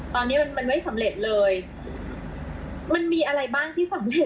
ตอนนี้มันไม่สำเร็จเลยมันมีอะไรบ้างที่สำเร็จอันนี้คือ